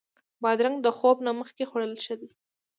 بادرنګ د خوب نه مخکې خوړل ښه دي.